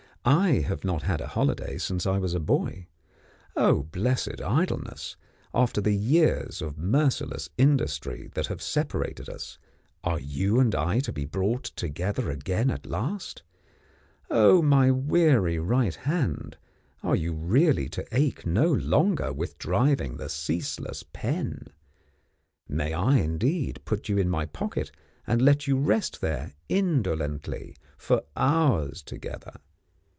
I have not had a holiday since I was a boy. Oh, blessed Idleness, after the years of merciless industry that have separated us, are you and I to be brought together again at last? Oh, my weary right hand, are you really to ache no longer with driving the ceaseless pen? May I, indeed, put you in my pocket and let you rest there, indolently, for hours together?